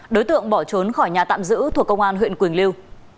đối tượng bỏ trốn khỏi nhà tạm giữ thuộc công an huyện quỳnh lưu